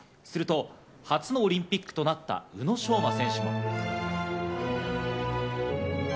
すると初のオリンピックとなった宇野昌磨選手も。